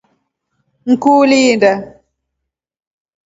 Nkuu ulienda?